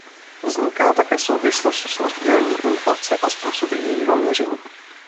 Vzniká také souvislost s rozdělením inflace a způsoby jejího měření.